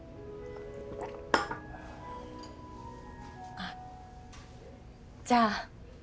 あっじゃあ。